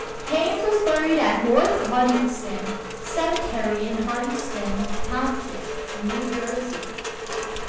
Haines was buried at North Hardyston Cemetery in Hardyston Township, New Jersey.